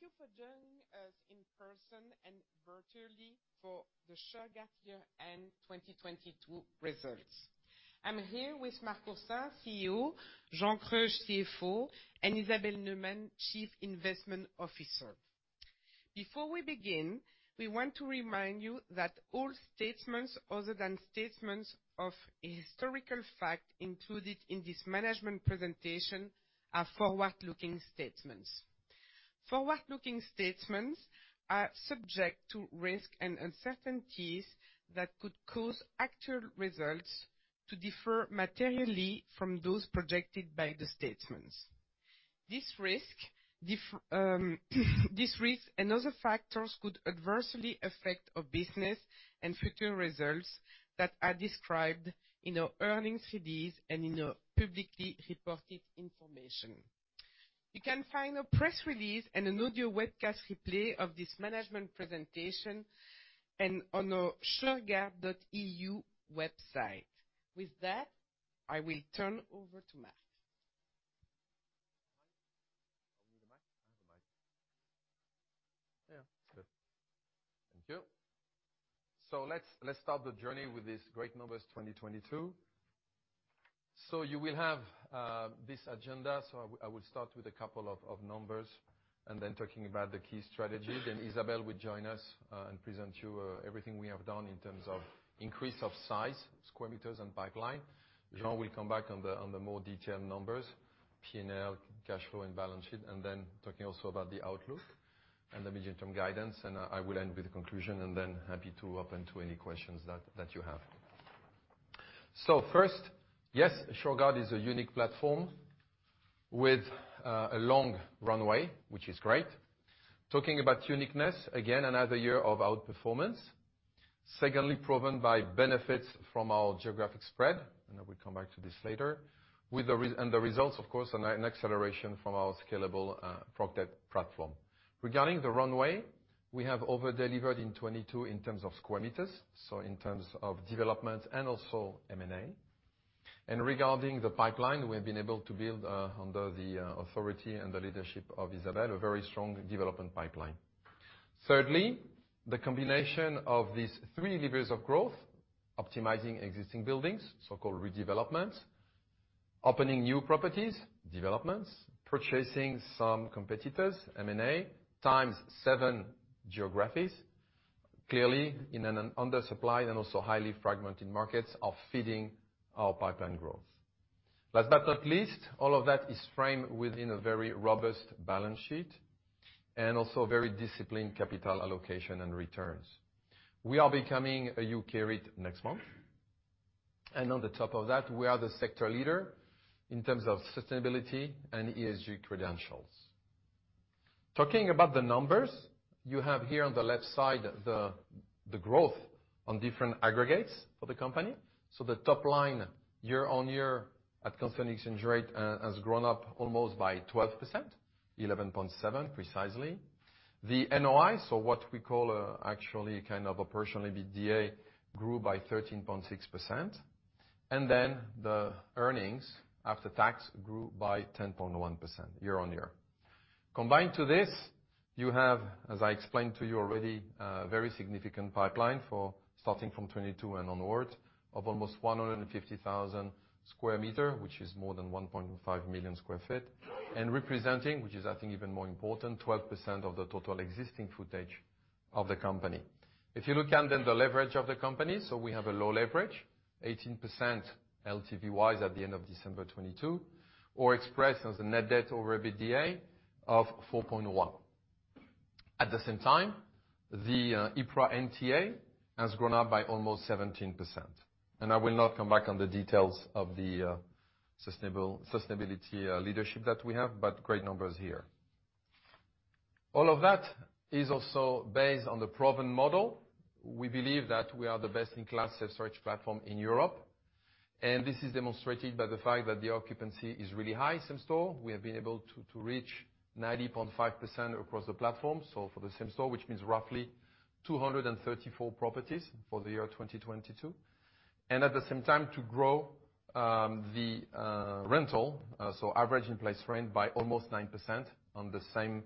Thank you for joining us in person and virtually for the Shurgard year end 2022 results. I'm here with Marc Oursin, CEO, Jean Kreusch, CFO, and Isabel Neumann, Chief Investment Officer. Before we begin, we want to remind you that all statements other than statements of a historical fact included in this management presentation are forward-looking statements. Forward-looking statements are subject to risks and uncertainties that could cause actual results to differ materially from those projected by the statements. This risk and other factors could adversely affect our business and future results that are described in our earnings release and in our publicly reported information. You can find a press release and an audio webcast replay of this management presentation and on our S`hurgard.eu website. With that, I will turn over to Marc. You need the mic? I have a mic. Yeah, it's good. Thank you. Let's start the journey with these great numbers, 2022. You will have this agenda, I will start with a couple of numbers, talking about the key strategies. Isabel will join us, present you everything we have done in terms of increase of size, square meters and` pipeline. Jean will come back on the more detailed numbers, P&L, cash flow and balance sheet, talking also about the outlook and the medium term guidance. I will end with a conclusion, happy to open to any questions that you have. First, yes, Shurgard is a unique platform with a long runway, which is great. Talking about uniqueness, again, another year of outperformance. Secondly, proven by benefits from our geographic spread, and I will come back to this later. With the results, of course, on an acceleration from our scalable proptech platform. Regarding the runway, we have over-delivered in 22 in terms of square meters, so in terms of development and also M&A. Regarding the pipeline, we've been able to build under the authority and the leadership of Isabel, a very strong development pipeline. Thirdly, the combination of these three levers of growth, optimizing existing buildings, so-called redevelopments, opening new properties, developments, purchasing some competitors, M&A, 7x geographies, clearly in an undersupplied and also highly fragmented markets are feeding our pipeline growth. Last but not least, all of that is framed within a very robust balance sheet and also very disciplined capital allocation and returns. We are becoming a UK REIT next month. On top of that, we are the sector leader in terms of sustainability and ESG credentials. Talking about the numbers, you have here on the left side the growth on different aggregates for the company. The top line year-on-year at constant exchange rate has grown up almost by 12%, 11.7% precisely. The NOI, so what we call actually kind of operational EBITDA, grew by 13.6%. The earnings after tax grew by 10.1% year-on-year. Combined to this, you have, as I explained to you already, a very significant pipeline for starting from 2022 and onward of almost 150,000 square meter, which is more than 1.5 million sq ft. Representing, which is I think even more important, 12% of the total existing footage of the company. If you look at the leverage of the company, we have a low leverage, 18% LTV-wise at the end of December 2022, or expressed as a net debt over EBITDA of 4.1. At the same time, the EPRA NTA has grown up by almost 17%. I will not come back on the details of the sustainability leadership that we have, but great numbers here. All of that is also based on the proven model. We believe that we are the best-in-class self-storage platform in Europe, and this is demonstrated by the fact that the occupancy is really high same store. We have been able to reach 90.5% across the platform, so for the same store, which means roughly 234 properties for the year 2022. At the same time to grow the rental, so average in-place rent by almost 9% on the same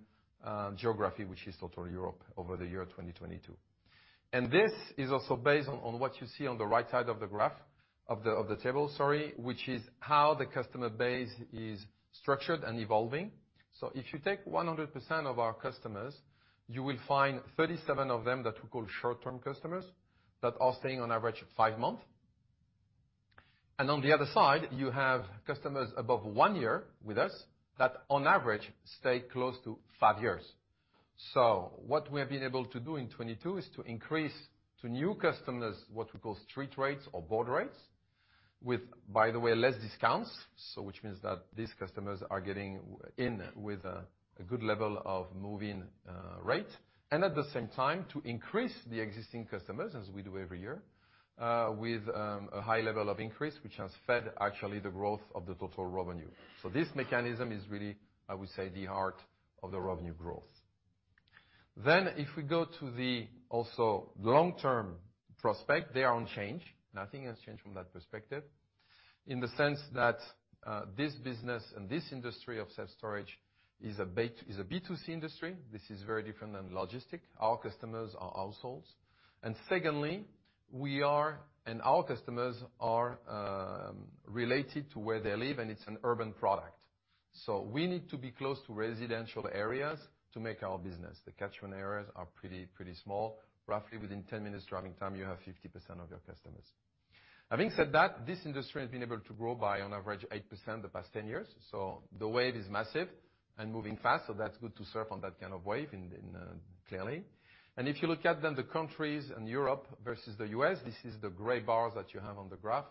geography, which is total Europe over the year 2022. This is also based on what you see on the right side of the graph, of the table, sorry, which is how the customer base is structured and evolving. If you take 100% of our customers, you will find 37 of them that we call short-term customers that are staying on average 5 months. On the other side, you have customers above 1 year with us that on average stay close to 5 years. What we have been able to do in 2022 is to increase to new customers, what we call street rates or board rates with, by the way, less discounts. Which means that these customers are getting in with a good level of move-in rate. At the same time to increase the existing customers, as we do every year, with a high level of increase, which has fed actually the growth of the total revenue. This mechanism is really, I would say, the heart of the revenue growth. If we go to the also long-term prospect, they are unchanged. Nothing has changed from that perspective in the sense that this business and this industry of self-storage is a B2C industry. This is very different than logistic. Our customers are households. Secondly, we are, and our customers are, related to where they live, and it's an urban product. We need to be close to residential areas to make our business. The catchment areas are pretty small. Roughly within 10 minutes driving time, you have 50% of your customers. Having said that, this industry has been able to grow by on average 8% the past 10 years, the wave is massive and moving fast, that's good to surf on that kind of wave in, clearly. If you look at then the countries in Europe versus the U.S., this is the gray bars that you have on the graph.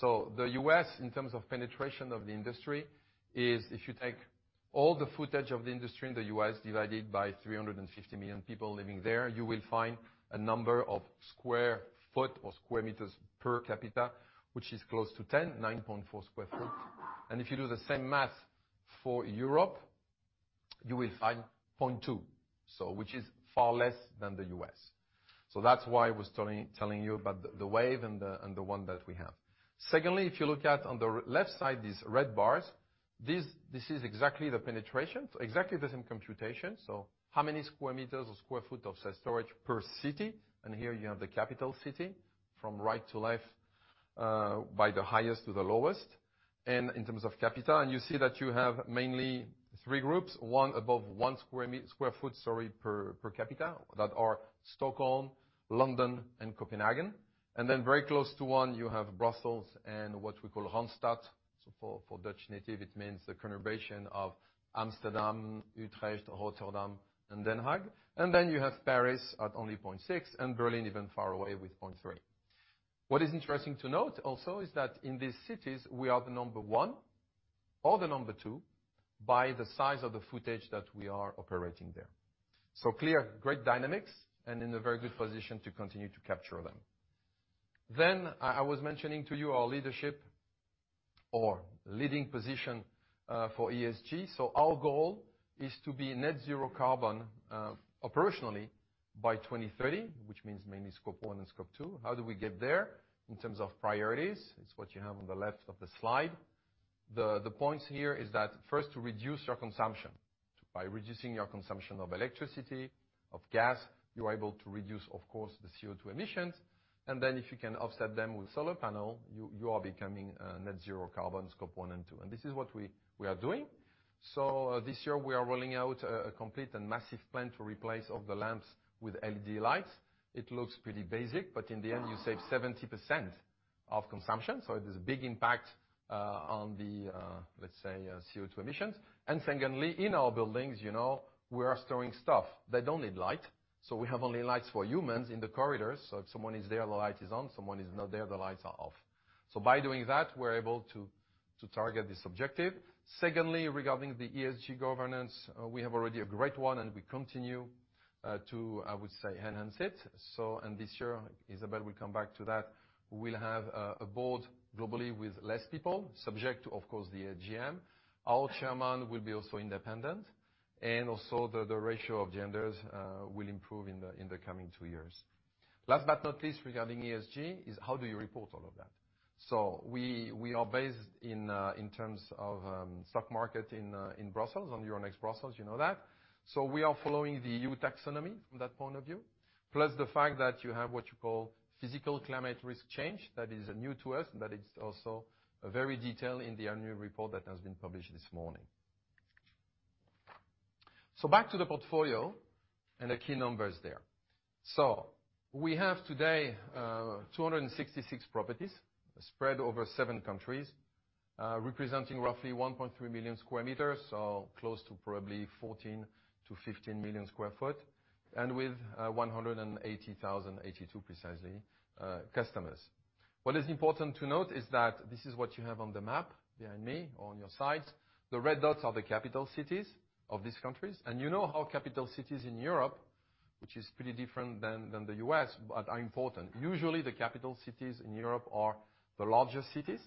The US, in terms of penetration of the industry, is if you take all the footage of the industry in the US divided by 350 million people living there, you will find a number of sq ft or square meters per capita, which is close to 10, 9.4 sq ft. If you do the same math for Europe, you will find 0.2, which is far less than the US. That's why I was telling you about the wave and the one that we have. Secondly, if you look at on the left side, these red bars, this is exactly the penetration, exactly the same computation. How many square meters or sq ft of self-storage per city, and here you have the capital city from right to left, by the highest to the lowest, in terms of capita. You see that you have mainly three groups, one above one sq ft, sorry, per capita that are Stockholm, London, and Copenhagen. Then very close to one, you have Brussels and what we call Randstad. For, for Dutch native, it means the conurbation of Amsterdam, Utrecht, Rotterdam, and The Hague. Then you have Paris at only 0.6, and Berlin even far away with 0.3. What is interesting to note also is that in these cities, we are the number one or the number two by the size of the footage that we are operating there. Clear, great dynamics and in a very good position to continue to capture them. I was mentioning to you our leadership or leading position for ESG. Our goal is to be net zero carbon operationally by 2030, which means mainly Scope one and Scope two. How do we get there in terms of priorities? It's what you have on the left of the slide. The points here is that first to reduce your consumption. By reducing your consumption of electricity, of gas, you are able to reduce, of course, the CO2 emissions. If you can offset them with solar panel, you are becoming a net zero carbon Scope One and Two. This is what we are doing. This year we are rolling out a complete and massive plan to replace all the lamps with LED lights. It looks pretty basic, but in the end, you save 70% of consumption, so it is a big impact on the, let's say, CO2 emissions. Secondly, in our buildings, you know, we are storing stuff. They don't need light, so we have only lights for humans in the corridors. If someone is there, the light is on, someone is not there, the lights are off. By doing that, we're able to target this objective. Secondly, regarding the ESG governance, we have already a great one, and we continue to, I would say, enhance it. And this year, Isabel will come back to that. We'll have a board globally with less people, subject to, of course, the AGM. Our chairman will be also independent. Also, the ratio of genders will improve in the coming two years. Last but not least regarding ESG is how do you report all of that? We are based in terms of stock market in Brussels, on Euronext Brussels, you know that. We are following the EU Taxonomy from that point of view. Plus the fact that you have what you call physical climate risk change, that is new to us, and that is also very detailed in the annual report that has been published this morning. Back to the portfolio and the key numbers there. We have today 266 properties spread over seven countries, representing roughly 1.3 million square meters, so close to probably 14-15 million sq ft, and with 180,082 precisely customers. What is important to note is that this is what you have on the map behind me or on your sides. The red dots are the capital cities of these countries. You know how capital cities in Europe, which is pretty different than the U.S., but are important. Usually, the capital cities in Europe are the largest cities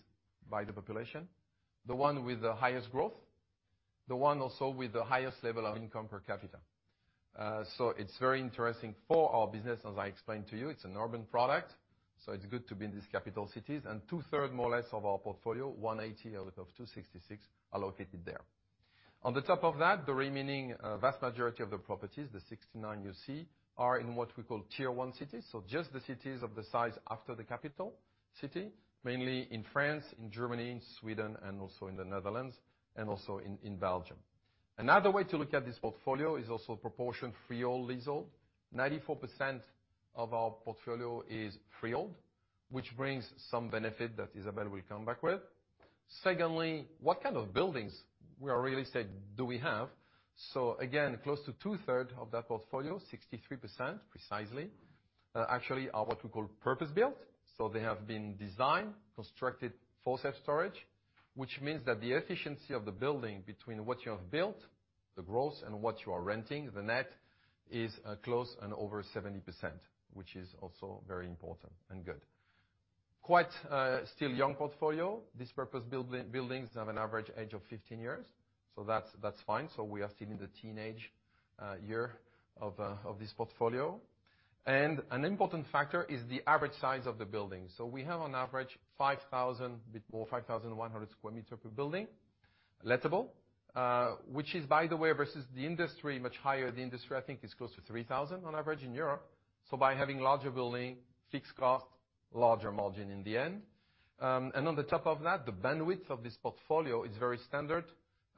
by the population, the one with the highest growth, the one also with the highest level of income per capita. It's very interesting for our business, as I explained to you. It's an urban product, it's good to be in these capital cities. 2/3 More or less of our portfolio, 180 out of 266, are located there. On the top of that, the remaining vast majority of the properties, the 69 you see, are in what we call tier one cities, just the cities of the size after the capital city, mainly in France, in Germany, in Sweden, and also in the Netherlands and also in Belgium. Another way to look at this portfolio is also proportion freehold/leasehold. 94% of our portfolio is freehold, which brings some benefit that Isabelle will come back with. Secondly, what kind of buildings where our real estate do we have? Again, close to two-thirds of that portfolio, 63% precisely, actually are what we call purpose-built. They have been designed, constructed for self-storage, which means that the efficiency of the building between what you have built, the gross, and what you are renting, the net, is close and over 70%, which is also very important and good. Quite, still young portfolio. This purpose buildings have an average age of 15 years, that's fine. We are still in the teenage year of this portfolio. An important factor is the average size of the building. We have on average 5,000, bit more, 5,100 square meters per building, lettable, which is by the way versus the industry, much higher. The industry, I think, is close to 3,000 on average in Europe. By having larger building, fixed cost, larger margin in the end. On the top of that, the bandwidth of this portfolio is very standard.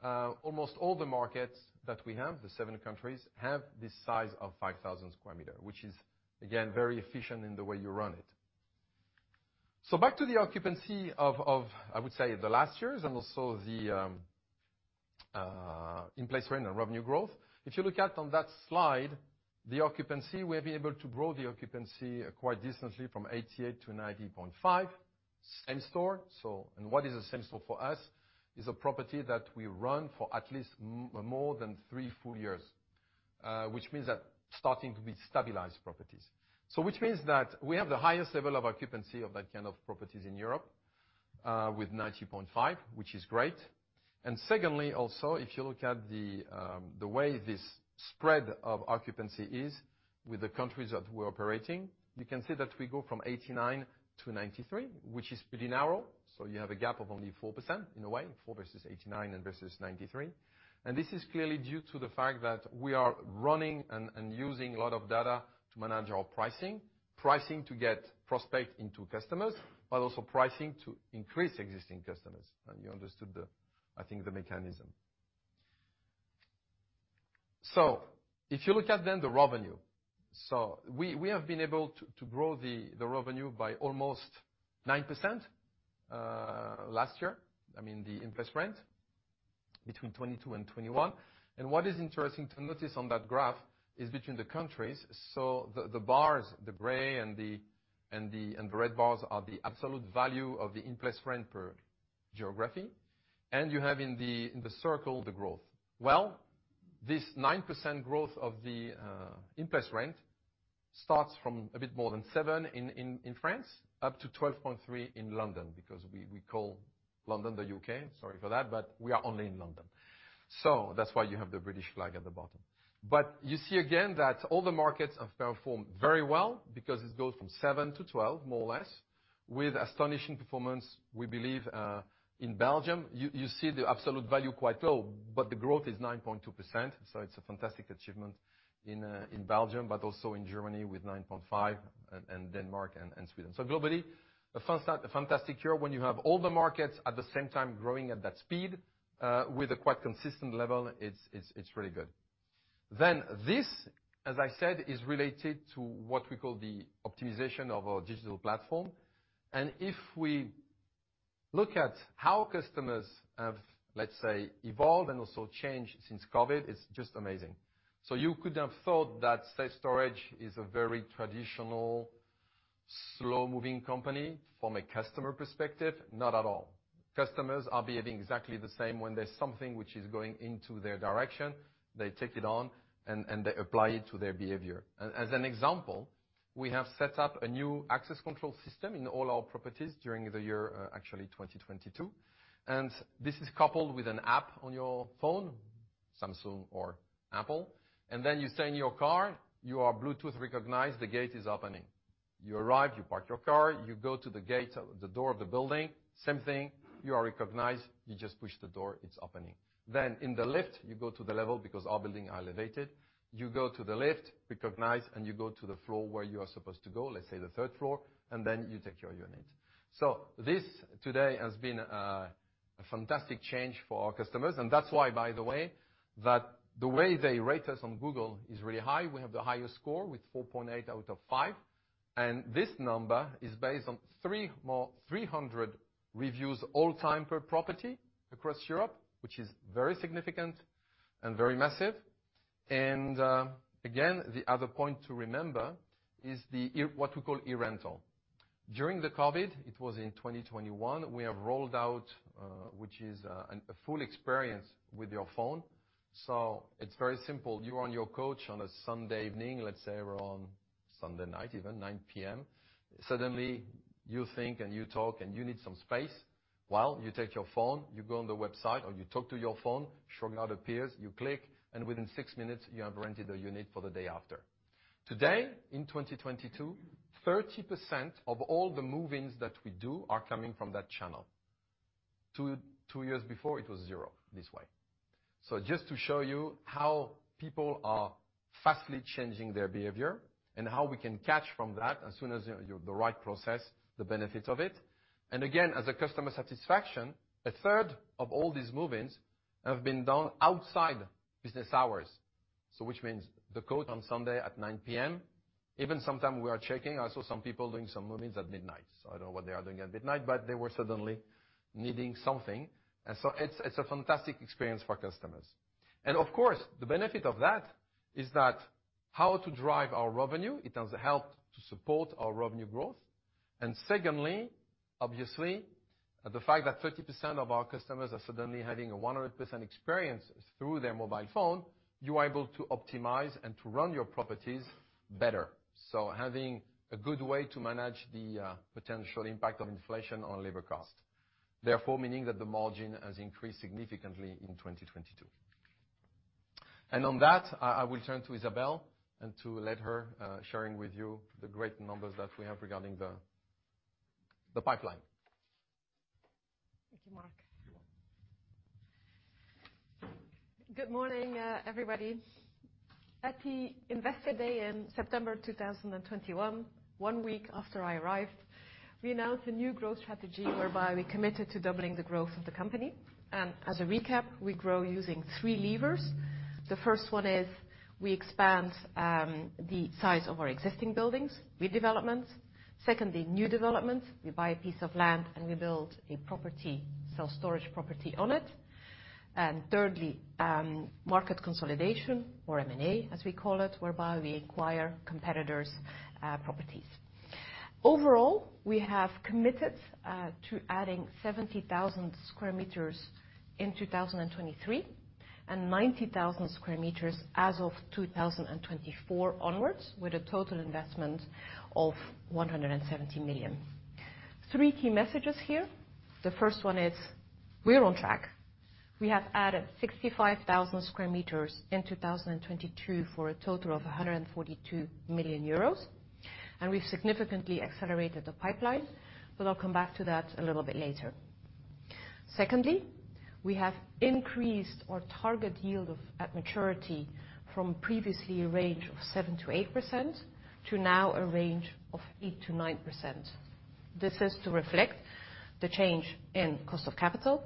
Almost all the markets that we have, the seven countries, have this size of 5,000 square meter, which is again, very efficient in the way you run it. Back to the occupancy of I would say the last years and also the in-place rent and revenue growth. If you look at on that slide, the occupancy, we have been able to grow the occupancy quite distantly from 88 to 90.5 same store. What is a same store for us is a property that we run for at least more than three full years, which means that starting to be stabilized properties. Which means that we have the highest level of occupancy of that kind of properties in Europe, with 90.5, which is great. Secondly also, if you look at the way this spread of occupancy is with the countries that we're operating, you can see that we go from 89 to 93, which is pretty narrow. You have a gap of only 4% in a way, 4 versus 89 and versus 93. This is clearly due to the fact that we are running and using a lot of data to manage our pricing. Pricing to get prospect into customers, but also pricing to increase existing customers. You understood the, I think, the mechanism. If you look at then the revenue. We have been able to grow the revenue by almost 9% last year. I mean, the in-place rent between 2022 and 2021. What is interesting to notice on that graph is between the countries. The bars, the gray and the red bars are the absolute value of the in-place rent per geography. You have in the circle the growth. Well, this 9% growth of the in-place rent starts from a bit more than 7% in France, up to 12.3% in London, because we call London the U.K. Sorry for that, we are only in London. That's why you have the British flag at the bottom. You see again that all the markets have performed very well because it goes from 7% to 12, more or less, with astonishing performance, we believe, in Belgium. You see the absolute value quite low, but the growth is 9.2%. It's a fantastic achievement in Belgium, but also in Germany with 9.5%, and Denmark and Sweden. Globally, a fantastic year when you have all the markets at the same time growing at that speed, with a quite consistent level, it's really good. This, as I said, is related to what we call the optimization of our digital platform. If we look at how customers have, let's say, evolved and also changed since COVID, it's just amazing. You could have thought that self-storage is a very traditional, slow-moving company from a customer perspective. Not at all. Customers are behaving exactly the same when there's something which is going into their direction, they take it on and they apply it to their behavior. As an example, we have set up a new access control system in all our properties during the year, actually 2022. This is coupled with an app on your phone, Samsung or Apple. You stay in your car, you are Bluetooth recognized, the gate is opening. You arrive, you park your car, you go to the gate, the door of the building, same thing. You are recognized, you just push the door, it's opening. In the lift you go to the level, because our building are elevated. You go to the lift, recognized, and you go to the floor where you are supposed to go, let's say the third floor, and then you take your unit. This today has been a fantastic change for our customers. That's why, by the way, that the way they rate us on Google is really high. We have the highest score with 4.8 out of 5. This number is based on 300 reviews all time per property across Europe, which is very significant and very massive. Again, the other point to remember is what we call e-rental. During the COVID, it was in 2021, we have rolled out, which is a full experience with your phone. It's very simple. You are on your couch on a Sunday evening, let's say around Sunday night even, 9:00 P.M. Suddenly you think, and you talk, and you need some space. Well, you take your phone, you go on the website or you talk to your phone, Shurgard appears, you click, and within six minutes you have rented a unit for the day after. Today, in 2022, 30% of all the move-ins that we do are coming from that channel. Two years before, it was zero this way. Just to show you how people are fastly changing their behavior and how we can catch from that as soon as you have the right process, the benefits of it. Again, as a customer satisfaction, 1/3 of all these move-ins have been done outside business hours. Which means the coach on Sunday at 9:00 P.M., even sometimes we are checking, I saw some people doing some move-ins at midnight. I don't know what they are doing at midnight, but they were suddenly needing something. It's a fantastic experience for our customers. Of course, the benefit of that is that how to drive our revenue, it has helped to support our revenue growth. Secondly, obviously, the fact that 30% of our customers are suddenly having a 100% experience through their mobile phone, you are able to optimize and to run your properties better. Having a good way to manage the potential impact of inflation on labor cost, therefore meaning that the margin has increased significantly in 2022. On that, I will turn to Isabel and to let her sharing with you the great numbers that we have regarding the pipeline. Thank you, Marc. You're welcome. Good morning, everybody. At the Investor Day in September 2021, one week after I arrived, we announced a new growth strategy whereby we committed to doubling the growth of the company. As a recap, we grow using three levers. The first one is we expand the size of our existing buildings, redevelopments. Secondly, new developments. We buy a piece of land, and we build a property, self-storage property on it. Thirdly, market consolidation or M&A, as we call it, whereby we acquire competitors' properties. Overall, we have committed to adding 70,000 square meters in 2023 and 90,000 square meters as of 2024 onwards with a total investment of 170 million. Three key messages here. The first one is we're on track. We have added 65,000 square meters in 2022 for a total of 142 million euros, and we've significantly accelerated the pipeline, but I'll come back to that a little bit later. Secondly, we have increased our target yield at maturity from previously a range of 7%-8% to now a range of 8%-9%. This is to reflect the change in cost of capital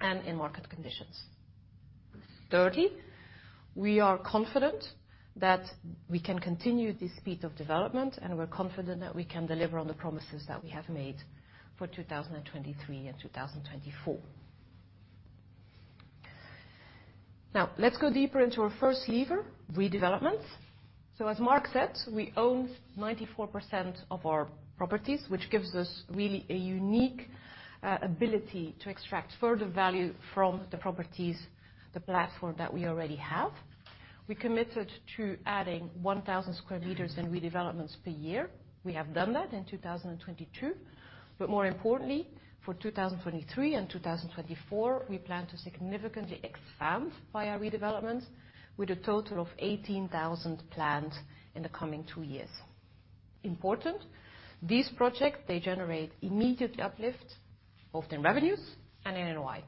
and in market conditions. Thirdly, we are confident that we can continue this speed of development, and we're confident that we can deliver on the promises that we have made for 2023 and 2024. Now let's go deeper into our first lever, redevelopments. As Marc said, we own 94% of our properties, which gives us really a unique ability to extract further value from the properties, the platform that we already have. We committed to adding 1,000 square meters in redevelopments per year. We have done that in 2022. More importantly, for 2023 and 2024, we plan to significantly expand via redevelopments with a total of 18,000 planned in the coming two years. Important, these projects, they generate immediate uplift both in revenues and in NOI.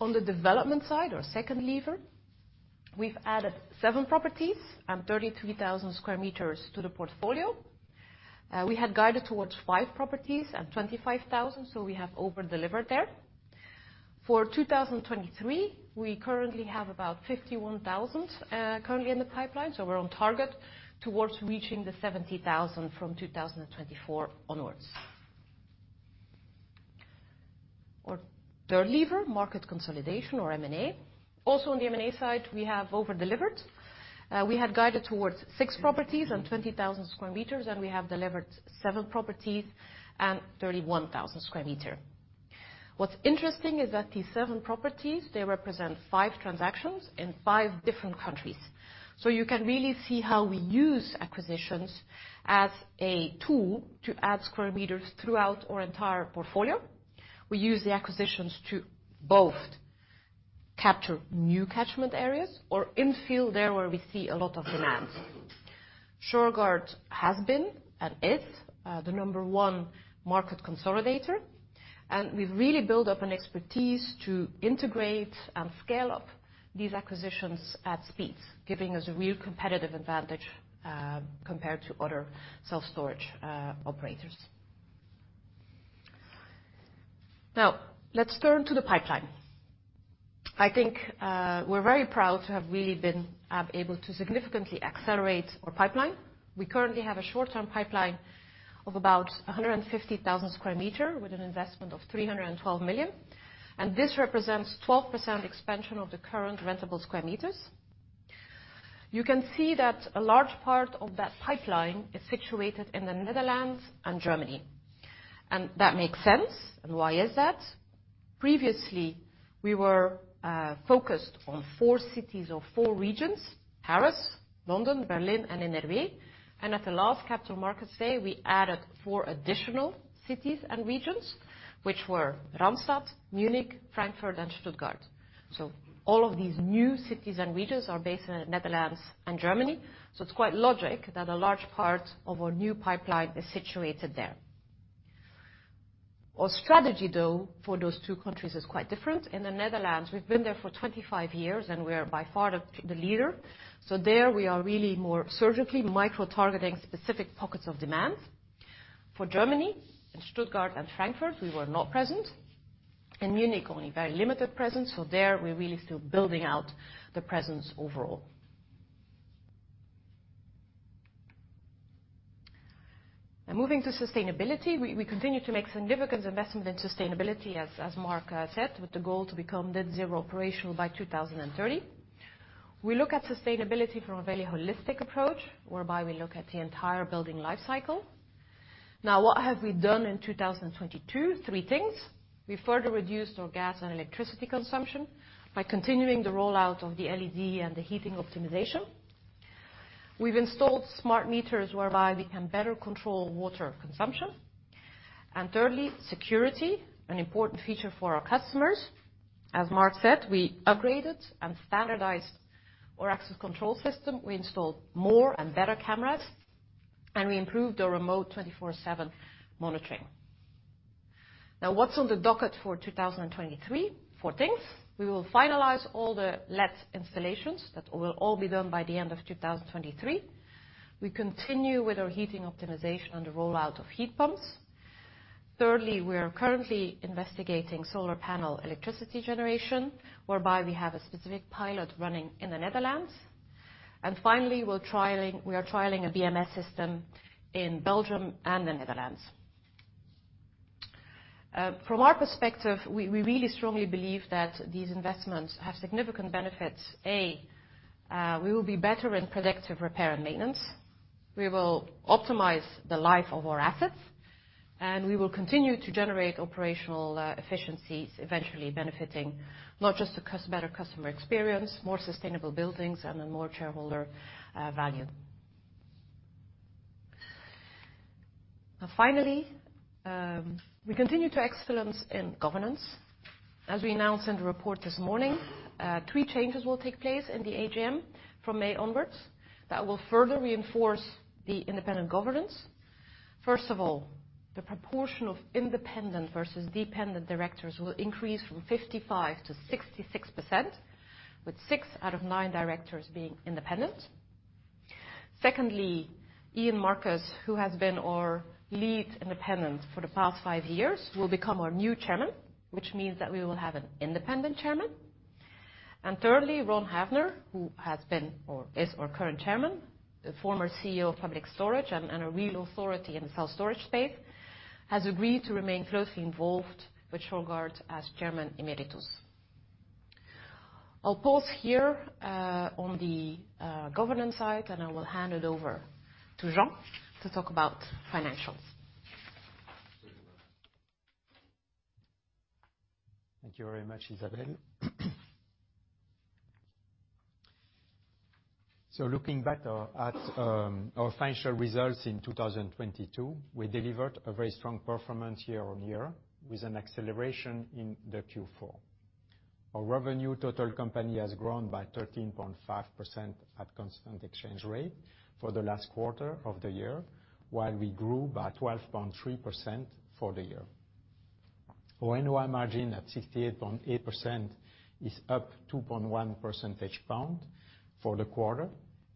On the development side or second lever, we've added seven properties and 33,000 square meters to the portfolio. We had guided towards five properties and 25,000, so we have over-delivered there. For 2023, we currently have about 51,000 currently in the pipeline. We're on target towards reaching the 70,000 from 2024 onwards. Our third lever, market consolidation or M&A. On the M&A side, we have over-delivered. We had guided towards six properties and 20,000 square meters, and we have delivered seven properties and 31,000 square meters. What's interesting is that these seven properties, they represent five transactions in five different countries. You can really see how we use acquisitions as a tool to add square meters throughout our entire portfolio. We use the acquisitions to both capture new catchment areas or infill there where we see a lot of demand. Shurgard has been and is the number one market consolidator. We've really built up an expertise to integrate and scale up these acquisitions at speed, giving us a real competitive advantage compared to other self-storage operators. Now let's turn to the pipeline. I think we're very proud to have really been able to significantly accelerate our pipeline. We currently have a short-term pipeline of about 150,000 square meter with an investment of 312 million, and this represents 12% expansion of the current rentable square meters. You can see that a large part of that pipeline is situated in the Netherlands and Germany, and that makes sense. Why is that? Previously, we were focused on four cities or four regions, Paris, London, Berlin, and NRW. At the last Capital Markets Day, we added four additional cities and regions, which were Randstad, Munich, Frankfurt, and Stuttgart. All of these new cities and regions are based in the Netherlands and Germany. It's quite logic that a large part of our new pipeline is situated there. Our strategy, though, for those two countries is quite different. In the Netherlands, we've been there for 25 years, and we are by far the leader. There we are really more surgically microtargeting specific pockets of demand. For Germany, in Stuttgart and Frankfurt, we were not present. In Munich, only very limited presence, so there we're really still building out the presence overall. Moving to sustainability, we continue to make significant investment in sustainability, as Marc said, with the goal to become net zero operational by 2030. We look at sustainability from a very holistic approach, whereby we look at the entire building life cycle. What have we done in 2022? Three things. We further reduced our gas and electricity consumption by continuing the rollout of the LED and the heating optimization. We've installed smart meters whereby we can better control water consumption. Thirdly, security, an important feature for our customers. As Marc said, we upgraded and standardized our access control system. We installed more and better cameras, and we improved our remote 24/7 monitoring. What's on the docket for 2023? Four things. We will finalize all the LED installations. That will all be done by the end of 2023. We continue with our heating optimization and the rollout of heat pumps. Thirdly, we are currently investigating solar panel electricity generation, whereby we have a specific pilot running in the Netherlands. Finally, we are trialing a BMS system in Belgium and the Netherlands. From our perspective, we really strongly believe that these investments have significant benefits. We will be better in predictive repair and maintenance. We will optimize the life of our assets, and we will continue to generate operational efficiencies, eventually benefiting not just better customer experience, more sustainable buildings, and then more shareholder value. Finally, we continue to excellence in governance. As we announced in the report this morning, three changes will take place in the AGM from May onwards that will further reinforce the independent governance. First of all, the proportion of independent versus dependent directors will increase from 55% to 66%, with six out of nine directors being independent. Secondly, Ian Marcus, who has been our lead independent for the past five years, will become our new chairman, which means that we will have an independent chairman. Thirdly, Ron Havner, who has been or is our current chairman, the former CEO of Public Storage and a real authority in the self-storage space, has agreed to remain closely involved with Shurgard as Chairman Emeritus. I'll pause here, on the governance side, and I will hand it over to Jean to talk about financials. Thank you very much, Isabel. Looking back at our financial results in 2022, we delivered a very strong performance year-on-year with an acceleration in the Q4. Our revenue total company has grown by 13.5% at constant exchange rate for the last quarter of the year, while we grew by 12.3% for the year. Our NOI margin at 68.8% is up 2.1 percentage point for the quarter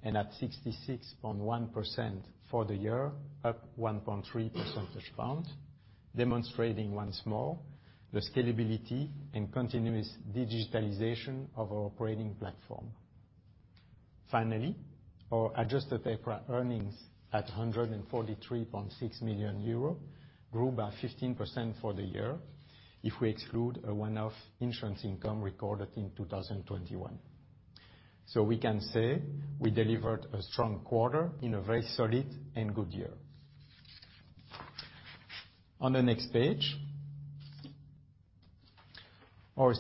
and at 66.1% for the year, up 1.3 percentage points, demonstrating once more the scalability and continuous digitalization of our operating platform. Finally, our adjusted EPRA earnings at 143.6 million euro grew by 15% for the year if we exclude a one-off insurance income recorded in 2021. We can say we delivered a strong quarter in a very solid and good year. On next page, our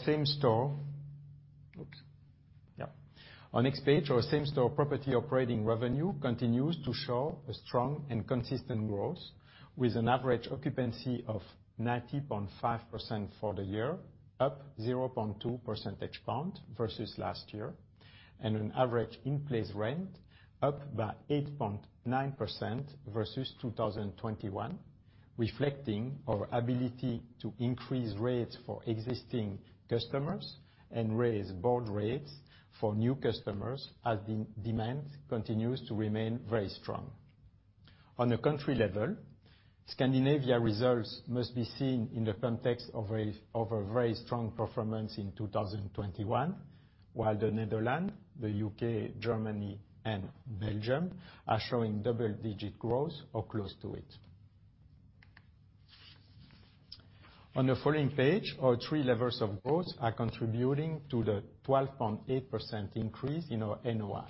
same-store property operating revenue continues to show a strong and consistent growth with an average occupancy of 90.5% for the year, up 0.2 percentage point versus last year, and an average in-place rent up by 8.9% versus 2021, reflecting our ability to increase rates for existing customers and raise board rates for new customers as de-demand continues to remain very strong. On a country level, Scandinavia results must be seen in the context of a very strong performance in 2021, while the Netherlands, the UK, Germany, and Belgium are showing double-digit growth or close to it. On the following page, our three levers of growth are contributing to the 12.8% increase in our NOI.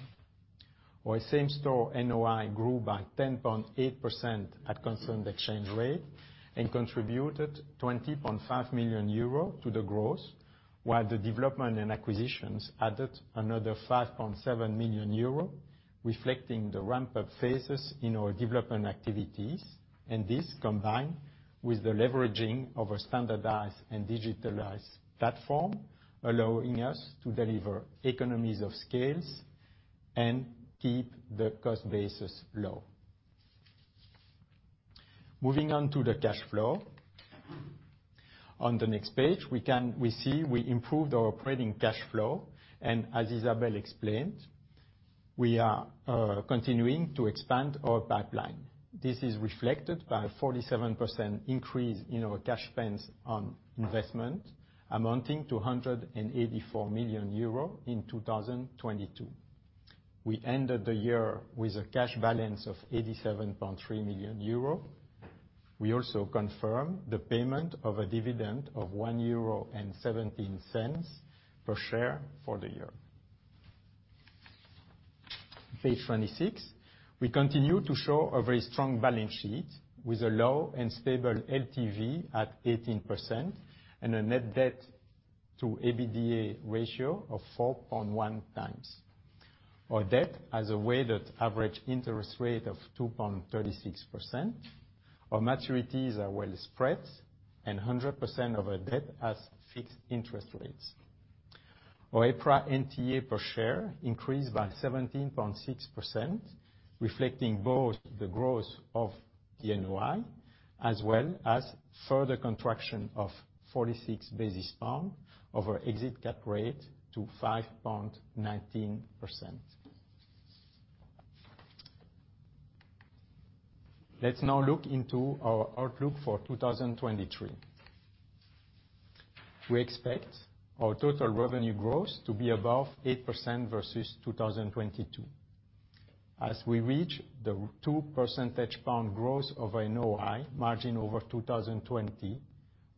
Our same-store NOI grew by 10.8% at constant exchange rate and contributed 20.5 million euro to the growth, while the development and acquisitions added another 5.7 million euro, reflecting the ramp-up phases in our development activities, and this combined with the leveraging of a standardized and digitalized platform, allowing us to deliver economies of scale and keep the cost basis low. Moving on to the cash flow. On the next page, we see we improved our operating cash flow, and as Isabel explained, we are continuing to expand our pipeline. This is reflected by a 47% increase in our cash spends on investment, amounting to 184 million euro in 2022. We ended the year with a cash balance of 87.3 million euro. We also confirm the payment of a dividend of 1.17 euro per share for the year. Page 26. We continue to show a very strong balance sheet with a low and stable LTV at 18% and a net debt to EBITDA ratio of 4.1 times. Our debt has a weighted average interest rate of 2.36%. Our maturities are well spread and 100% of our debt has fixed interest rates. Our EPRA NTA per share increased by 17.6%, reflecting both the growth of the NOI as well as further contraction of 46 basis points over exit cap rate to 5.19%. Let's now look into our outlook for 2023. We expect our total revenue growth to be above 8% versus 2022. As we reach the 2 percentage point growth of NOI margin over 2020,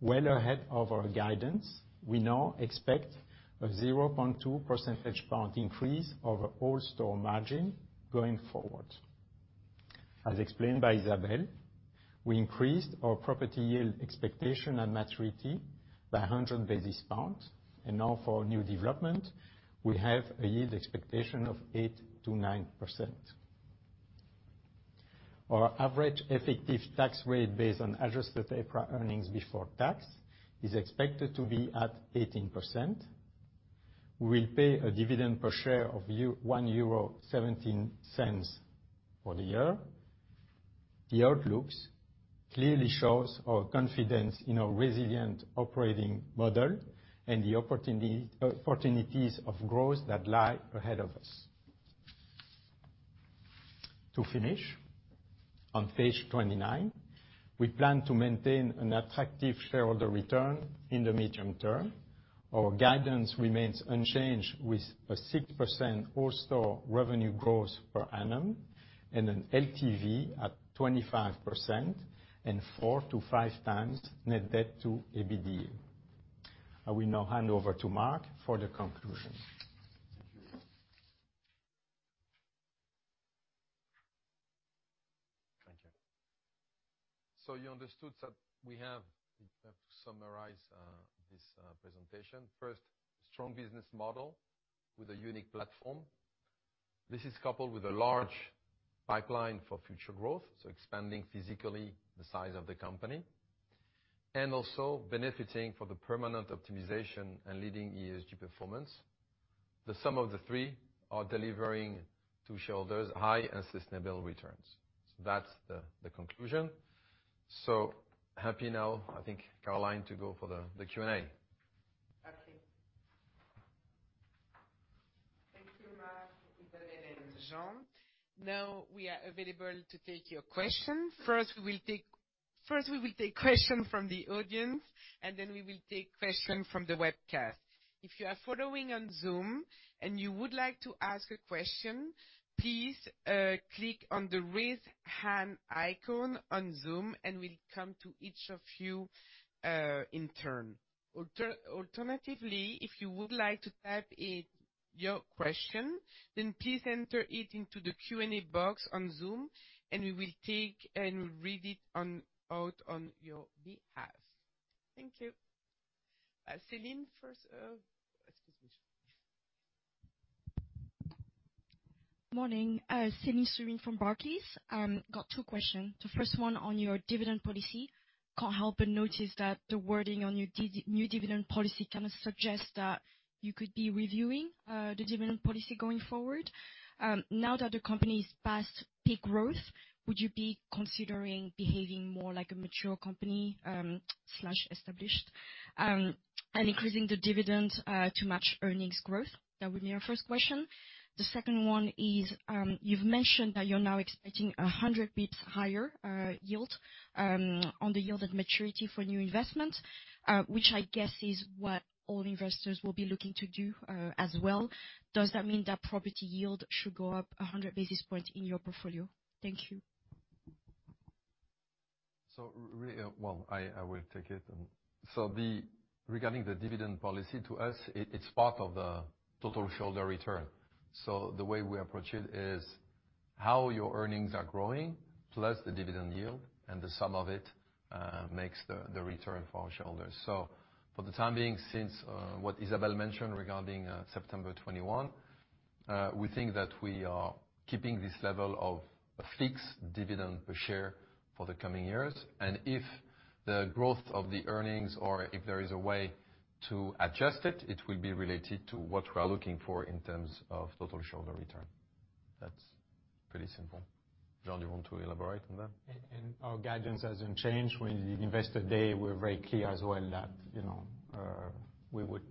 well ahead of our guidance, we now expect a 0.2 percentage point increase of all store margin going forward. As explained by Isabel, we increased our property yield expectation at maturity by 100 basis points. Now for new development we have a yield expectation of 8%-9%. Our average effective tax rate, based on adjusted EPRA earnings before tax, is expected to be at 18%. We will pay a dividend per share of 1.17 euro for the year. The outlooks clearly shows our confidence in our resilient operating model and the opportunities of growth that lie ahead of us. On page 29, we plan to maintain an attractive shareholder return in the medium term. Our guidance remains unchanged with a 6% all store revenue growth per annum and an LTV at 25% and four to five times net debt to EBITDA. I will now hand over to Marc for the conclusion. Thank you. You understood that we have to summarize this presentation. First, strong business model with a unique platform. This is coupled with a large pipeline for future growth, so expanding physically the size of the company and also benefiting for the permanent optimization and leading ESG performance. The sum of the three are delivering to shareholders high and sustainable returns. That's the conclusion. Happy now, I think, Caroline, to go for the Q&A. Okay. Thank you, Marc, Isabel, and Jean. We are available to take your question. First, we will take question from the audience, then we will take question from the webcast. If you are following on Zoom and you would like to ask a question, please click on the raise hand icon on Zoom, we'll come to each of you in turn. Alternatively, if you would like to type in your question, please enter it into the Q&A box on Zoom we will take and read it out on your behalf. Thank you. Celine, first... Excuse me. Morning. Celine Soo-Hyunh from Barclays. Got two questions. The first one on your dividend policy. Can't help but notice that the wording on your new dividend policy kind of suggests that you could be reviewing the dividend policy going forward. Now that the company's past peak growth, would you be considering behaving more like a mature company, slash established, and increasing the dividend to match earnings growth? That would be our first question. The second one is, you've mentioned that you're now expecting 100 basis points higher yield on the yield at maturity for new investments, which I guess is what all investors will be looking to do as well. Does that mean that property yield should go up 100 basis points in your portfolio? Thank you. Well, I will take it. Regarding the dividend policy, to us it's part of the total shareholder return. The way we approach it is how your earnings are growing plus the dividend yield and the sum of it makes the return for our shareholders. For the time being, since what Isabel mentioned regarding September 21, we think that we are keeping this level of a fixed dividend per share for the coming years. If the growth of the earnings or if there is a way to adjust it will be related to what we are looking for in terms of total shareholder return. That's pretty simple. Jean, you want to elaborate on that? Our guidance hasn't changed. With the Investor Day, we're very clear as well that, you know, we would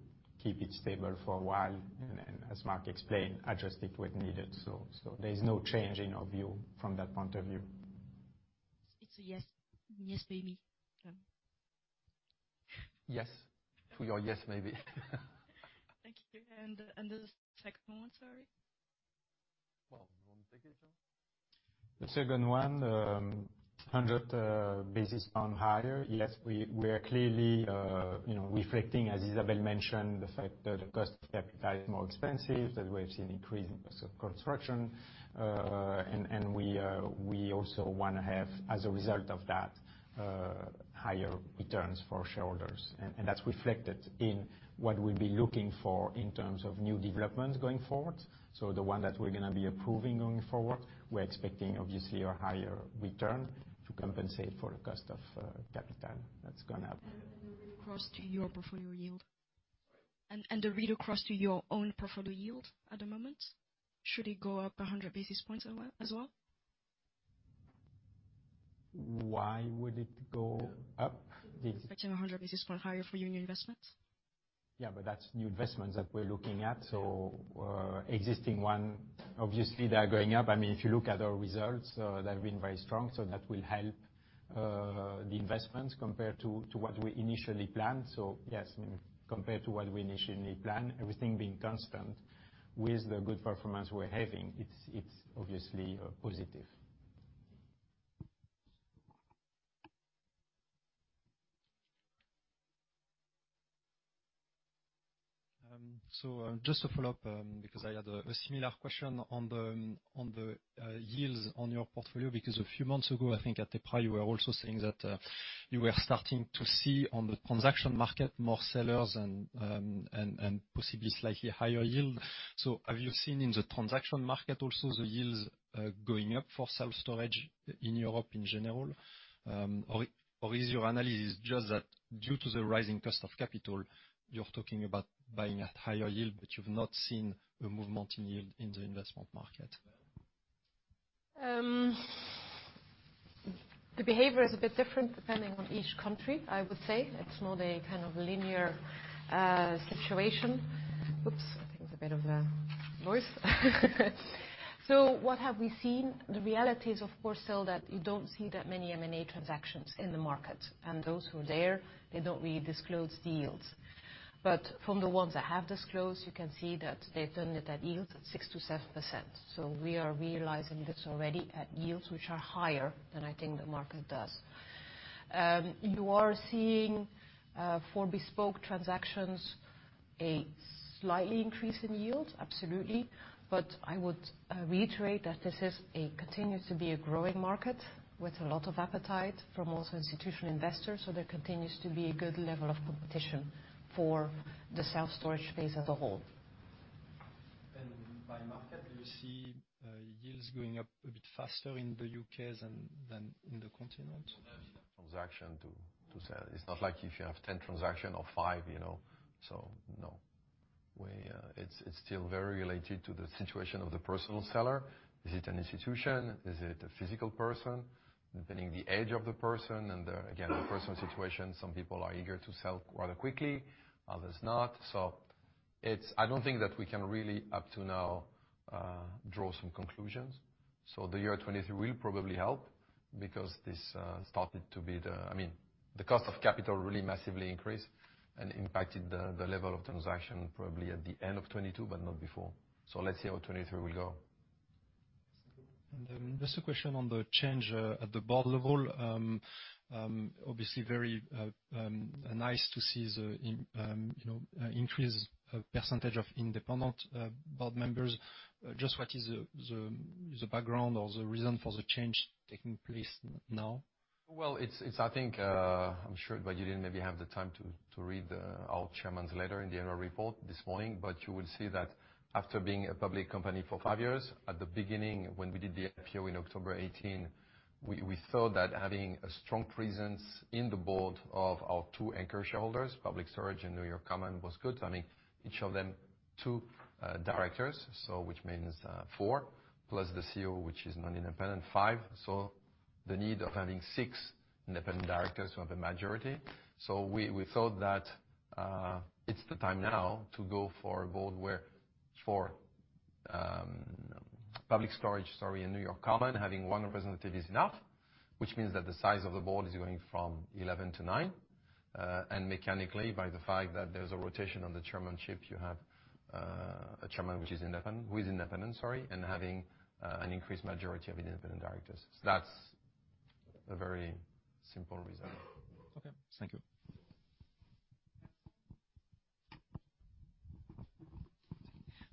keep it stable for a while and then, as Marc explained, adjust it when needed. There is no change in our view from that point of view. It's a yes for me, Jean. Yes to your yes maybe. Thank you. The second one, sorry. Well, you want to take it, Jean? The second one, 100 basis points higher. Yes, we are clearly, you know, reflecting, as Isabel mentioned, the fact that the cost of capital is more expensive, that we have seen increase in cost of construction. We also wanna have, as a result of that, higher returns for shareholders. That's reflected in what we'll be looking for in terms of new developments going forward. The one that we're gonna be approving going forward, we're expecting obviously a higher return to compensate for the cost of capital that's gone up. The read-across to your portfolio yield? Sorry? The read-across to your own portfolio yield at the moment, should it go up 100 basis points as well, as well? Why would it go up? Expecting 100 basis point higher for new investments. That's new investments that we're looking at. Existing one, obviously they are going up. I mean, if you look at our results, they've been very strong, so that will help the investments compared to what we initially planned. I mean, compared to what we initially planned, everything being constant with the good performance we're having, it's obviously positive. Just to follow up, I had a similar question on the yields on your portfolio, because a few months ago, I think at the price, you were also saying that you were starting to see on the transaction market more sellers and possibly slightly higher yield. Have you seen in the transaction market also the yields going up for self-storage in Europe in general, or is your analysis just that due to the rising cost of capital, you're talking about buying at higher yield, but you've not seen a movement in yield in the investment market? The behavior is a bit different depending on each country, I would say. It's not a kind of linear situation. Oops. I think it's a bit of a voice. What have we seen? The reality is of course still that you don't see that many M&A transactions in the market, and those who are there, they don't really disclose the yields. From the ones that have disclosed, you can see that they've done it at yields at 6%-7%. We are realizing this already at yields which are higher than I think the market does. You are seeing, for bespoke transactions, a slightly increase in yields, absolutely. I would reiterate that this continues to be a growing market with a lot of appetite from also institutional investors. There continues to be a good level of competition for the self-storage space as a whole. By market, do you see, yields going up a bit faster in the UK than in the continent? There's enough transaction to sell. It's not like if you have 10 transaction or five, you know? No. We, it's still very related to the situation of the personal seller. Is it an institution? Is it a physical person? Depending the age of the person and again, the personal situation, some people are eager to sell rather quickly, others not. It's. I don't think that we can really up to now, draw some conclusions. The year 2023 will probably help because this started to be I mean, the cost of capital really massively increased and impacted the level of transaction probably at the end of 2022, but not before. Let's see how 2023 will go. Just a question on the change at the board level. obviously very nice to see the, you know, increased percentage of independent board members. Just what is the background or the reason for the change taking place now? It's, I think, I'm sure, you didn't maybe have the time to read the, our chairman's letter in the annual report this morning. You will see that after being a public company for five years, at the beginning when we did the IPO in October 2018, we thought that having a strong presence in the board of our two anchor shareholders, Public Storage and New York Common, was good. I mean, each of them, two directors, which means four, plus the CEO, which is non-independent, five. The need of having six independent directors who have a majority. We thought that it's the time now to go for a board where for Public Storage, sorry, and New York Common, having one representative is enough, which means that the size of the board is going from 11 to nine. Mechanically, by the fact that there's a rotation on the chairmanship, you have a chairman which is independent, who is independent, sorry, and having an increased majority of independent directors. That's a very simple reason. Okay. Thank you.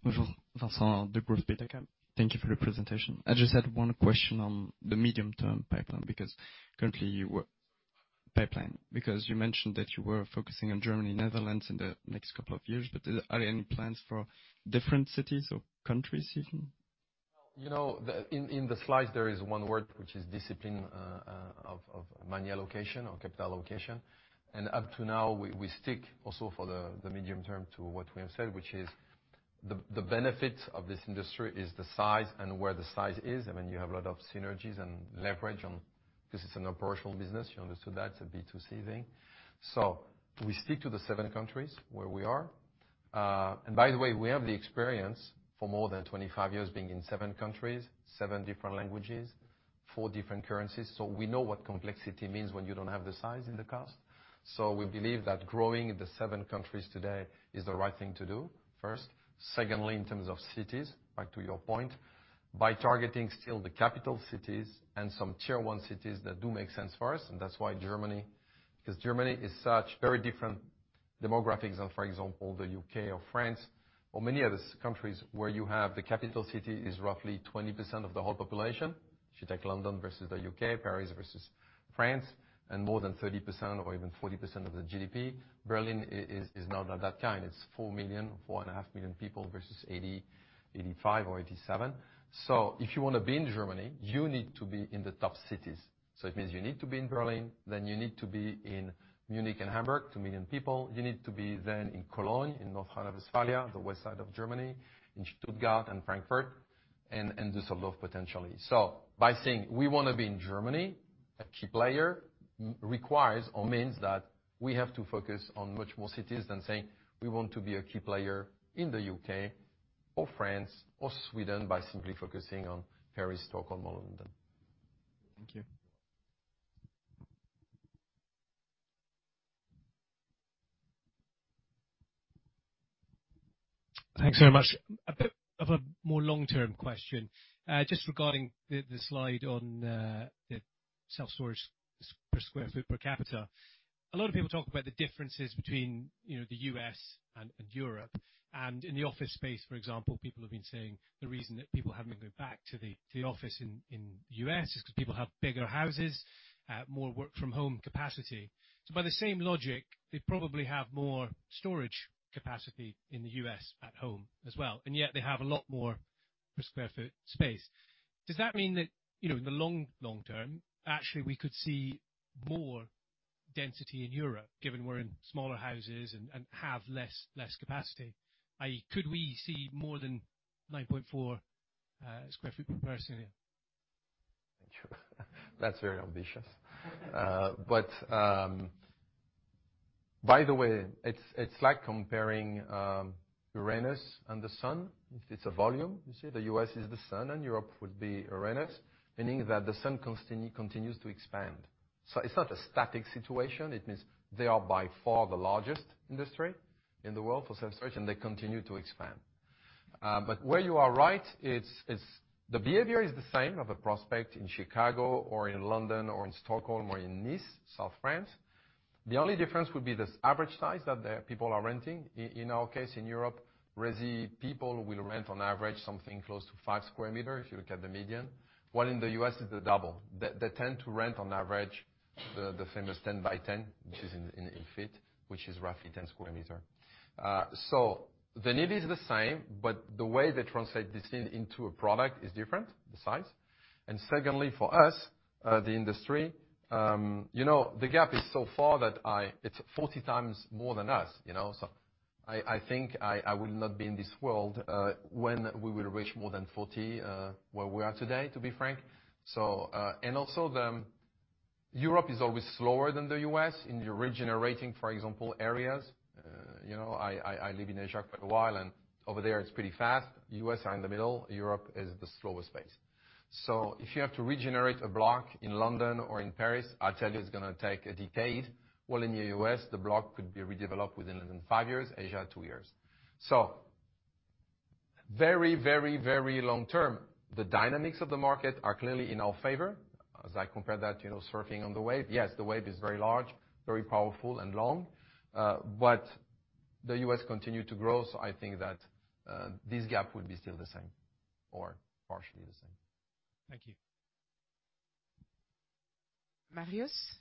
Bonjour. Degroof Petercam. Thank you for your presentation. I just had one question on the medium-term pipeline, because you mentioned that you were focusing on Germany, Netherlands in the next couple of years. Are there any plans for different cities or countries even? You know, the, in the slides there is one word, which is discipline, of money allocation or capital allocation. Up to now, we stick also for the medium term to what we have said, which is the benefit of this industry is the size and where the size is. I mean, you have a lot of synergies and leverage. This is an operational business. You understood that, it's a B2C thing. We stick to the seven countries where we are. By the way, we have the experience for more than 25 years being in seven countries, seven different languages, four different currencies. We know what complexity means when you don't have the size in the cast. We believe that growing the seven countries today is the right thing to do first. Secondly, in terms of cities, back to your point, by targeting still the capital cities and some tier one cities, that do make sense for us, that's why Germany. Because Germany is such very different demographics than, for example, the UK or France or many other countries where you have the capital city is roughly 20% of the whole population. If you take London versus the UK, Paris versus France, more than 30% or even 40% of the GDP. Berlin is not of that kind. It's 4 million, four and a half million people versus 80, 85 or 87. If you wanna be in Germany, you need to be in the top cities. It means you need to be in Berlin, then you need to be in Munich and Hamburg, 2 million people. You need to be then in Cologne, in North Rhine-Westphalia, the west side of Germany, in Stuttgart and Frankfurt, and Düsseldorf, potentially. By saying we wanna be in Germany, a key player requires or means that we have to focus on much more cities than saying we want to be a key player in the UK or France or Sweden by simply focusing on Paris, Stockholm or London. Thank you. Thanks very much. A bit of a more long-term question. just regarding the slide on, the self-storage per sq ft per capita. A lot of people talk about the differences between, you know, the U.S. and Europe. In the office space, for example, people have been saying the reason that people haven't been going back to the office in the U.S. is 'cause people have bigger houses, more work from home capacity. By the same logic, they probably have more storage capacity in the U.S. at home as well, and yet they have a lot more per sq ft space. Does that mean that, you know, in the long, long term, actually, we could see more density in Europe, given we're in smaller houses and, have less capacity? IE, could we see more than 9.4 sq ft per person? Thank you. That's very ambitious. By the way, it's like comparing Uranus and the Sun. If it's a volume, you see the U.S. is the Sun and Europe would be Uranus, meaning that the Sun continues to expand. It's not a static situation. It means they are by far the largest industry in the world for self-storage, and they continue to expand. Where you are right, it's the behavior is the same of a prospect in Chicago or in London or in Stockholm or in Nice, South France. The only difference would be the average size that the people are renting. In our case, in Europe, resi people will rent on average something close to 5 square meter if you look at the median. While in the U.S., it's the double. They tend to rent on average the famous 10 by 10, which is in feet, which is roughly 10 square meter. The need is the same, but the way they translate this need into a product is different, the size. Secondly, for us, the industry, you know, the gap is so far that it's 40 times more than us, you know? I think I will not be in this world when we will reach more than 40 where we are today, to be frank. Also the Europe is always slower than the U.S. in regenerating, for example, areas. You know, I live in Asia for a while, and over there it's pretty fast. U.S. are in the middle. Europe is the slowest pace. If you have to regenerate a block in London or in Paris, I tell you it's gonna take a decade. While in the US, the block could be redeveloped within five years, Asia, tow years. Very, very, very long term. The dynamics of the market are clearly in our favor. As I compare that, you know, surfing on the wave, yes, the wave is very large, very powerful and long, but the US continue to grow, so I think that this gap would be still the same or partially the same. Thank you. Marius? Marius Darsan. Great.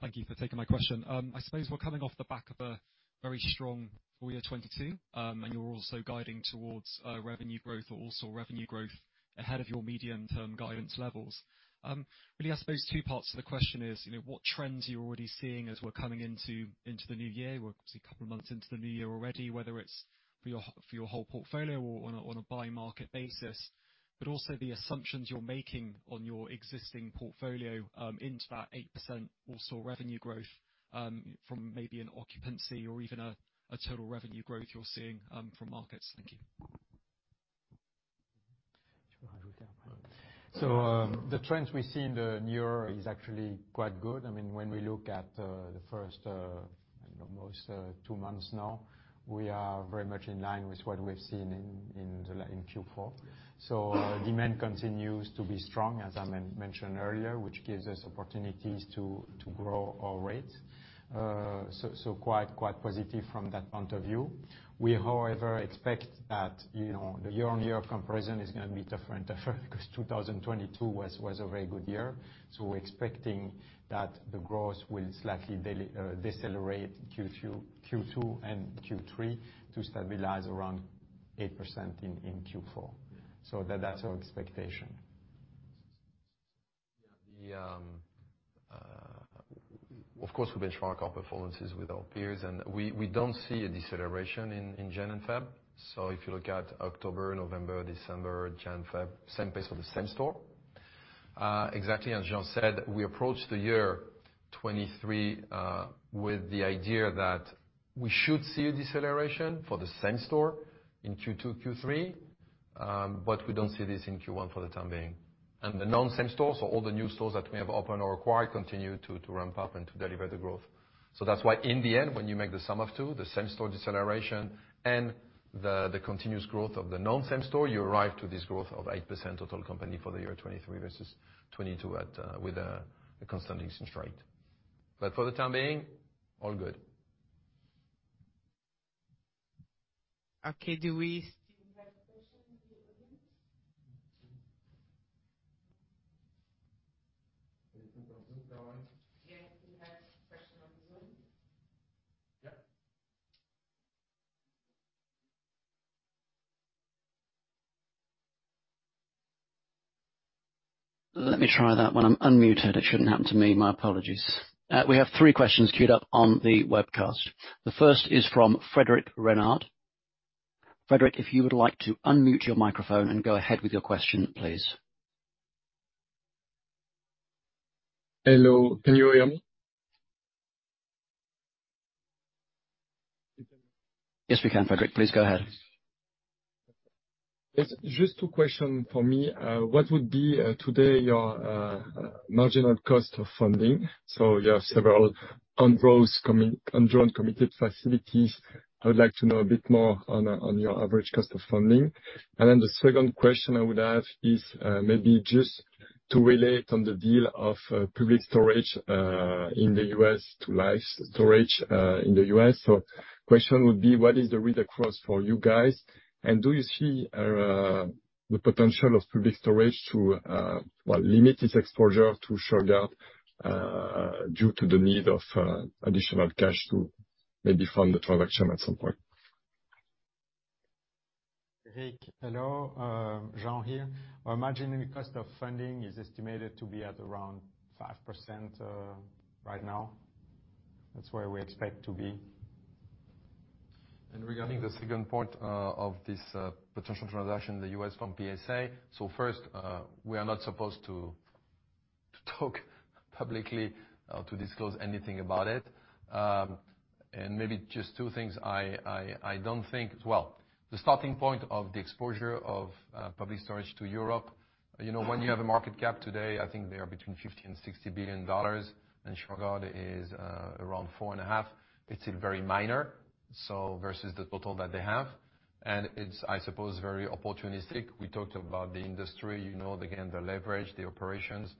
Thank you for taking my question. I suppose we're coming off the back of a very strong full year 2022. You're also guiding towards revenue growth ahead of your medium-term guidance levels. Really, I suppose two parts to the question is, you know, what trends are you already seeing as we're coming into the new year? We're obviously a couple of months into the new year already, whether it's for your whole portfolio or on a by market basis. Also the assumptions you're making on your existing portfolio into that 8% also revenue growth, from maybe an occupancy or even a total revenue growth you're seeing from markets. Thank you. The trends we see in the near is actually quite good. I mean, when we look at the first almost two months now, we are very much in line with what we've seen in Q4. Demand continues to be strong, as I mentioned earlier, which gives us opportunities to grow our rate. Quite positive from that point of view. We, however, expect that, you know, the year-on-year comparison is gonna be different because 2022 was a very good year. We're expecting that the growth will slightly decelerate Q2 and Q3 to stabilize around 8% in Q4. That's our expectation. Yeah. The, Of course, we benchmark our performances with our peers, and we don't see a deceleration in Jan and Feb. If you look at October, November, December, Jan, Feb, same pace for the same-store. Exactly as Jean said, we approached the year 2023 with the idea that we should see a deceleration for the same-store in Q2, Q3, we don't see this in Q1 for the time being. The non-same stores, so all the new stores that we have opened or acquired, continue to ramp up and to deliver the growth. That's why in the end, when you make the sum of two, the same-store deceleration and the continuous growth of the non-same store, you arrive to this growth of 8% total company for the year 2023 versus 2022 with a constant exchange rate. For the time being, all good. Okay. Do you have questions from the audience? Anything from Zoom, Caroline? Yes, we have a question on Zoom. Yeah. Let me try that one. I'm unmuted. It shouldn't happen to me. My apologies. We have three questions queued up on the webcast. The first is from Frederic Renard. Frederick, if you would like to unmute your microphone and go ahead with your question, please. Hello, can you hear me? Yes, we can, Frederic. Please go ahead. It's just two question for me. What would be today your marginal cost of funding? You have several on rolls coming. Undrawn committed facilities. I would like to know a bit more on your average cost of funding. The second question I would ask is maybe just to relate on the deal of Public Storage in the U.S. to Life Storage in the U.S. Question would be, what is the read-across for you guys? Do you see the potential of Public Storage to well, limit its exposure to Shurgard due to the need of additional cash to maybe fund the transaction at some point? Eric, hello, Jean here. Our marginal cost of funding is estimated to be at around 5% right now. That's where we expect to be. Regarding the second point of this potential transaction in the U.S. from PSA. First, we are not supposed to talk publicly or to disclose anything about it. Maybe just two things. I don't think. Well, the starting point of the exposure of Public Storage to Europe, you know, when you have a market cap today, I think they are between $50 billion and $60 billion, and StoreGuard is around four and a half. It's very minor versus the total that they have. It's, I suppose, very opportunistic. We talked about the industry, you know, again, the leverage, the operations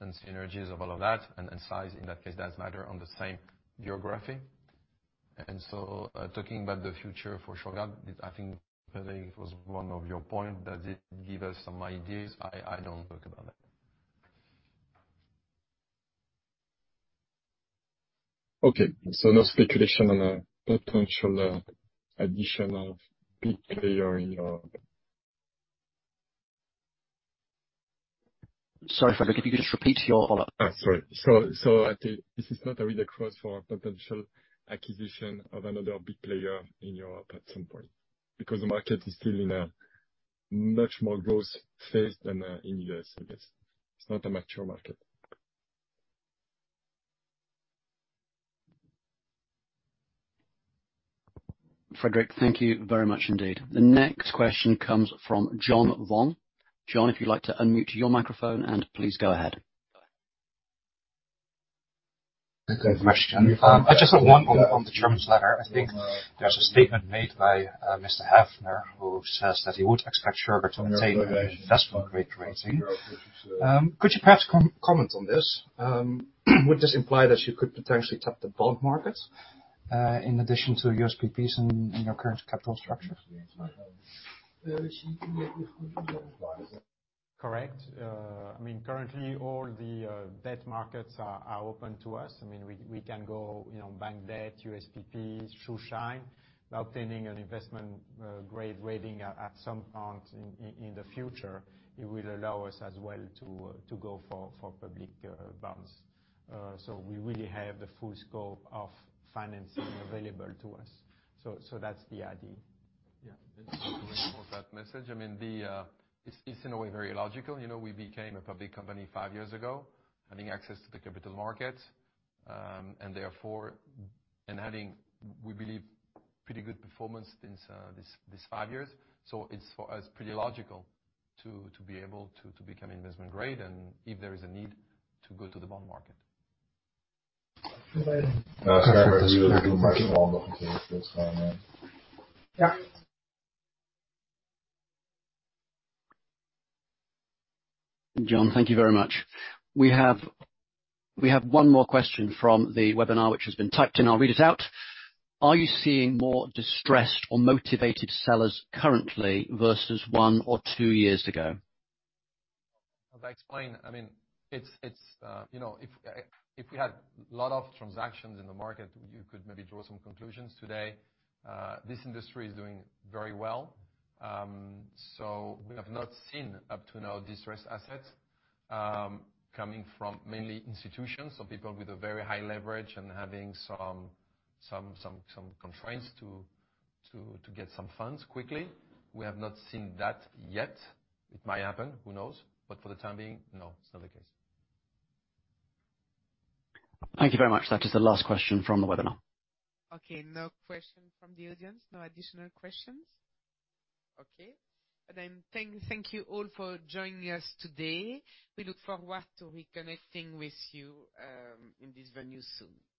and synergies of all of that. Size, in that case, does matter on the same geography. Talking about the future for StoreGuard, I think, Eric, it was one of your point that did give us some ideas. I don't talk about it. Okay. no speculation on a potential, additional big player in your... Sorry, Frederick, if you could just repeat your whole- Oh, sorry. I think this is not a read-across for potential acquisition of another big player in Europe at some point, because the market is still in a much more growth phase than in US, I guess. It's not a mature market. Frederick, thank you very much indeed. The next question comes from John Wong. John, if you'd like to unmute your microphone and please go ahead. Thanks for the question. Just on one, on the chairman's letter. I think there's a statement made by Ronald Havner, who says that he would expect StoreGuard to obtain an investment grade rating. Could you perhaps comment on this? Would this imply that you could potentially tap the bond market, in addition to USPPs in your current capital structure? Eric, can you repeat the question? Correct. I mean, currently all the debt markets are open to us. I mean, we can go, you know, bank debt, USPPs, Schuldschein. By obtaining an investment grade rating at some point in the future, it will allow us as well to go for public bonds. So we really have the full scope of financing available to us. So that's the idea. Yeah. Just to reinforce that message, I mean, the... It's in a way very logical. You know, we became a public company 5 years ago, having access to the capital markets. Therefore... And having, we believe, pretty good performance since these five years. It's for us pretty logical to be able to become investment grade and if there is a need, to go to the bond market. John, thank you very much. We have one more question from the webinar which has been typed in. I'll read it out. Are you seeing more distressed or motivated sellers currently versus one or two years ago? As I explained, I mean, it's, you know, if we had a lot of transactions in the market, you could maybe draw some conclusions today. This industry is doing very well. We have not seen up to now distressed assets coming from mainly institutions or people with a very high leverage and having some constraints to get some funds quickly. We have not seen that yet. It might happen, who knows? For the time being, no, it's not the case. Thank you very much. That is the last question from the webinar. Okay, no question from the audience. No additional questions? Okay. Thank you all for joining us today. We look forward to reconnecting with you in this venue soon.